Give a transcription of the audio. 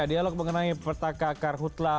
dialog mengenai pertaka karhutla